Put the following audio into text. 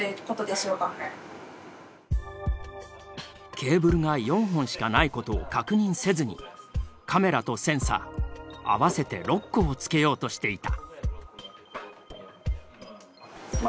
ケーブルが４本しかないことを確認せずにカメラとセンサー合わせて６個をつけようとしていた。